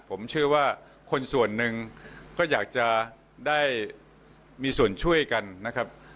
ผมเชื่อว่าคนส่วนหนึ่งก็อยากจะได้มีส่วนช่วยกันนะครับ